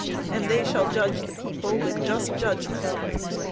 . and they shall judge the people with just judgment.